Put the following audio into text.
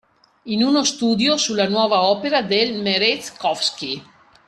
In uno studio su la nuova opera del Merezkowski